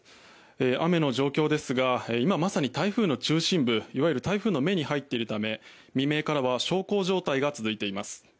雨の状況ですが今まさに台風の中心部いわゆる台風の目に入っているため未明からは小康状態が続いています。